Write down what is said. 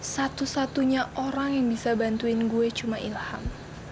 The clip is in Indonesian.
satu satunya orang yang bisa bantuin gue cuma ilham